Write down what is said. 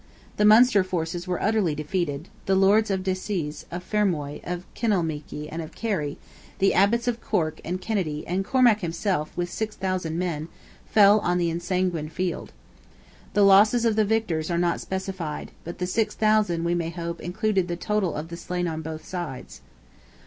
The Munster forces were utterly defeated; the Lords of Desies, of Fermoy, of Kinalmeaky, and of Kerry, the Abbots of Cork and Kennity, and Cormac himself, with 6,000 men, fell on the ensanguined field. The losses of the victors are not specified, but the 6,000, we may hope, included the total of the slain on both sides.